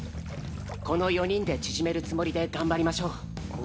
この４人で縮めるつもりで頑張りましょう。